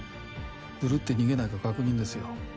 ブルって逃げないか確認ですよ。